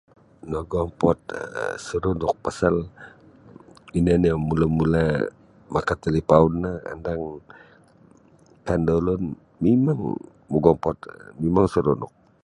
Nagompod um seronok pasal ino nio mula-mula maka talipaun no andang kaan da ulun mimang mogompod mimang saronok.